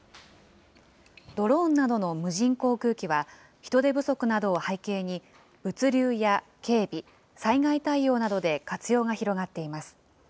ドローンなどの無人航空機は、人手不足などを背景に物流や警備、災害対応などで活用が広がっています。